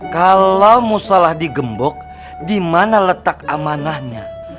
kalau musalah digembok di mana letak amanahnya